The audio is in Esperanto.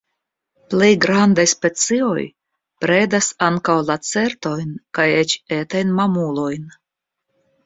Plej grandaj specioj predas ankaŭ lacertojn kaj eĉ etajn mamulojn.